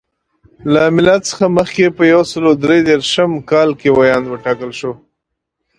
له میلاد څخه مخکې په یو سل درې دېرش کال کې ویاند وټاکل شو.